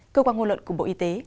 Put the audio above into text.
cơ quan ngôn luận của bộ y tế